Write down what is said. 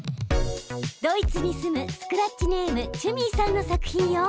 ドイツに住むスクラッチネームＣｈｕｍｉｅさんの作品よ。